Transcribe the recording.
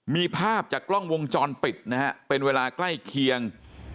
มีภาพจากกล้องวงจรปิดนะฮะเป็นเวลาใกล้เคียง